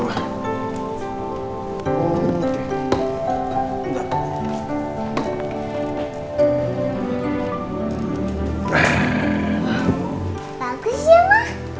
bagus ya ma